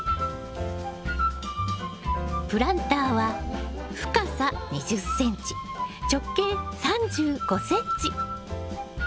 プランターは深さ２０ｃｍ直径３５ｃｍ。